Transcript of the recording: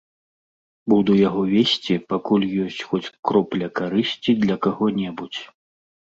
Буду яго весці, пакуль ёсць хоць кропля карысці для каго-небудзь.